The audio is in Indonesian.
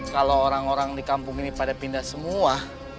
kalau orang orang di kampung ini pada pindah semua